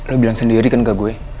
lo bilang sendiri kan gak gue